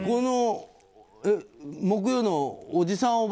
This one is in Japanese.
木曜のおじさん